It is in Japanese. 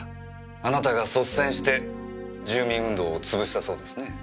あなたが率先して住民運動をつぶしたそうですね。